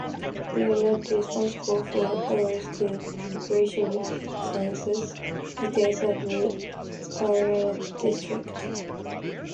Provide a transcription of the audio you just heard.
We are not responsible for errors to population census details of Supaul District.